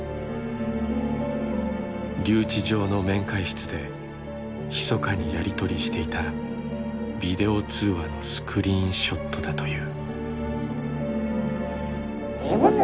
留置場の面会室でひそかにやり取りしていたビデオ通話のスクリーンショットだという。